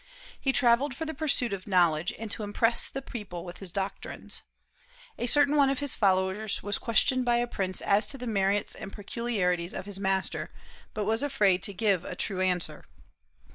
He travelled for the pursuit of knowledge, and to impress the people with his doctrines. A certain one of his followers was questioned by a prince as to the merits and peculiarities of his master, but was afraid to give a true answer.